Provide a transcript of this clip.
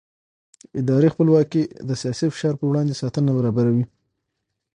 اداري خپلواکي د سیاسي فشار پر وړاندې ساتنه برابروي